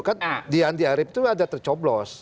kan di andi arief itu ada tercoblos